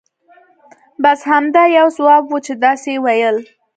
بس همدا یو ځواب وو چې داسې یې ویل.